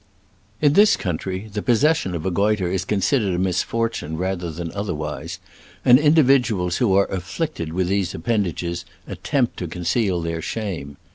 In this country the possession of a goitre is considered a misfortune rather than otherwise, and individuals who are afflicted with these appendages attempt to conceal their shame.